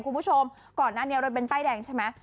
คุณผู้ชมก่อนหน้านี้รถเน้นป้ายแดงใช่ไหม